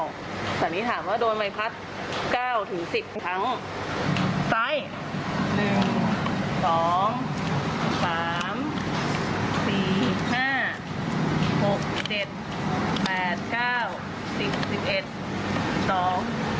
ส่วนด้านนี้ถามว่าโดนใบพัด๙ถึง๑๐ครั้ง